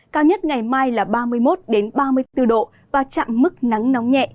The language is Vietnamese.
cao nhất ngày mai là ba mươi một ba mươi bốn độ và chặn mức nắng nóng nhẹ trong hai ngày tới